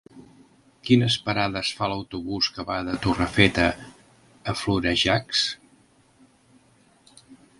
Quines parades fa l'autobús que va a Torrefeta i Florejacs?